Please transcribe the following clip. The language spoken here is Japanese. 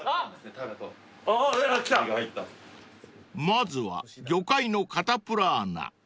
［まずは魚介のカタプラーナ］